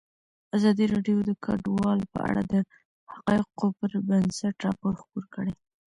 ازادي راډیو د کډوال په اړه د حقایقو پر بنسټ راپور خپور کړی.